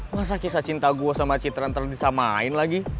masa kisah cinta gue sama citra antara disamain lagi